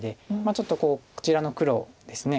ちょっとこちらの黒ですね